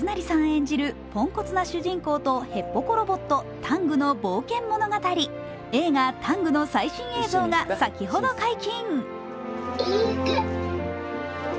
演じるポンコツな主人公とへっぽこロボットタングの冒険物語映画「ＴＡＮＧタング」の最新映像が先ほど解禁。